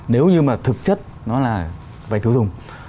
nếu như mà thực chất nó là vay tiêu dùng